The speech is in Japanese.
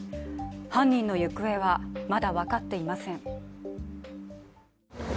犯人の行方はまだ分かっていません。